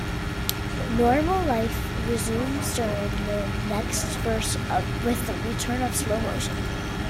Normal life resumes during the next verse with the return of slow motion.